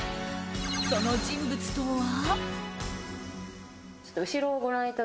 その人物とは。